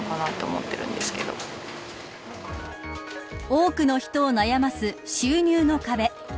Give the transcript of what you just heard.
多くの人を悩ます収入の壁。